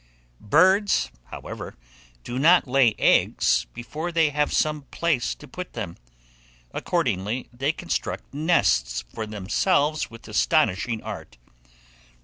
BIRDS HOWEVER, DO NOT LAY EGGS before they have some place to put them; accordingly, they construct nests for themselves with astonishing art.